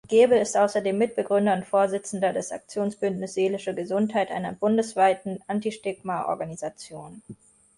Gaebel ist außerdem Mitbegründer und Vorsitzender des Aktionsbündnis Seelische Gesundheit, einer bundesweiten Anti-Stigma-Organisation.